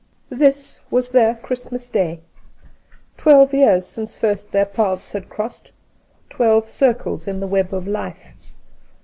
This was their Christmas Day — twelve years since first their paths had crossed — twelve circles in the web of life!